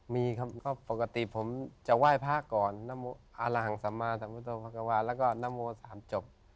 ออมีครับก็ปกติผมจะไหว้พระก่อนอาลาหังศามารถสมุทธภักรวาแล้วก็นัมโมสามจบ